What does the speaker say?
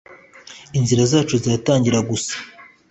inzira zacu ziratangira gusa